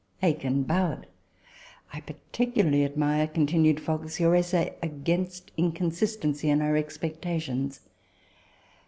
Aikin bowed. " I particularly admire," continued Fox, " your essay ' Against Inconsistency in our Expectations.'